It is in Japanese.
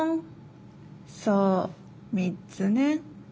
そう３つね。